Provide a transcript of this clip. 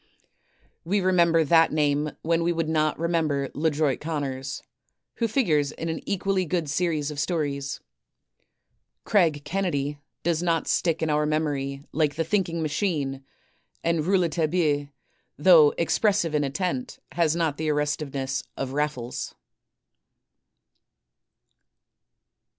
We remember that name when we would not remember "Ledroit Conners" who figures in an equally good series of stories. "Craig Kennedy" does not stick in our memory like the "Thinking Machine," and "Rouletabille," though expressive in intent, has not the arrestiveness of "Raffles."